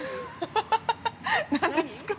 ◆何ですか。